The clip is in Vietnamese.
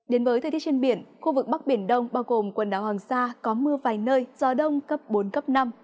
đến với thời tiết trên biển khu vực bắc biển đông bao gồm quần đảo hoàng sa có mưa vài nơi gió đông cấp bốn cấp năm